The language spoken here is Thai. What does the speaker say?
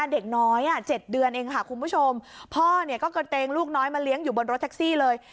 เด็กน้อย๗เดือนเองค่ะคุณผู้ชมพ่อเนี่ยก็กระเตงลูกน้อยมาเลี้ยงอยู่บนรถแท็กซี่เลย